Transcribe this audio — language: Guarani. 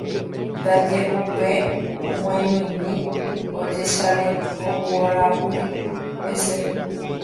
ndaje upe g̃uaig̃uimi ojesarekoporãkuri hese